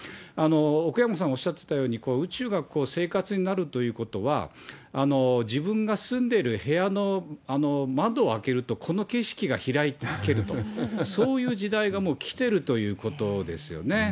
奥山さんおっしゃってたように、宇宙が生活になるということは、自分が住んでいる部屋の窓を開けると、この景色が開けると、そういう時代がもう来てるということですよね。